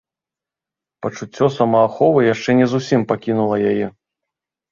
Пачуццё самааховы яшчэ не зусім пакінула яе.